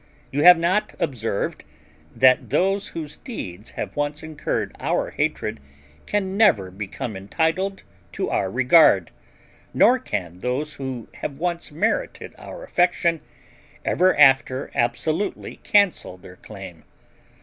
You have not observed, that those whose deeds have once incurred our hatred, can never become entitled to our regard; nor can those who have once merited our affection ever after absolutely cancel their claim.